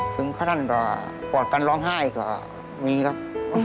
ถึงขนาดปลอดกันร้องไห้ก็มีครับ